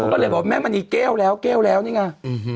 ก็เลยบอกแม่มณีแก้วแล้วแก้วแล้วนี่ไง